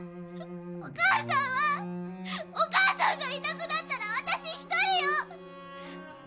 お母さんはお母さんがいなくなったら私１人よ。